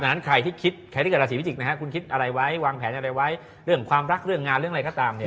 นั้นใครที่คิดใครที่เกิดราศีพิจิกนะฮะคุณคิดอะไรไว้วางแผนอะไรไว้เรื่องความรักเรื่องงานเรื่องอะไรก็ตามเนี่ย